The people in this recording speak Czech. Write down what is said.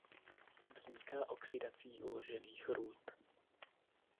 Vzniká oxidací uložených rud.